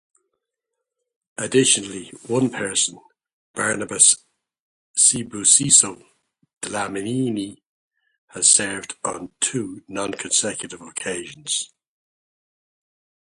Additionally, one person, Barnabas Sibusiso Dlamini, has served on two non-consecutive occasions.